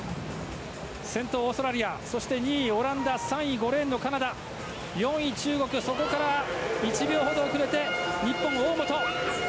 先頭はオーストラリアそいて２位はオランダ３位がカナダ４位、中国そこから１秒ほど遅れて日本。